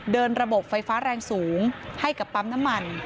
ระบบไฟฟ้าแรงสูงให้กับปั๊มน้ำมัน